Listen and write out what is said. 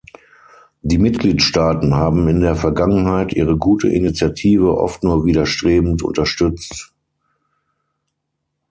Die Mitgliedstaaten haben in der Vergangenheit ihre gute Initiative oft nur widerstrebend unterstützt.